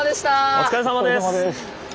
お疲れさまです。